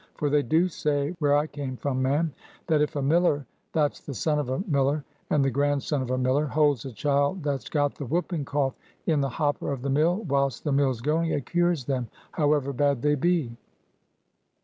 For they do say,—where I came from, ma'am,—that if a miller, that's the son of a miller, and the grandson of a miller, holds a child that's got the whooping cough in the hopper of the mill whilst the mill's going, it cures them, however bad they be."